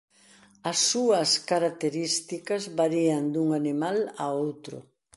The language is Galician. As súas características varían dun animal a outro.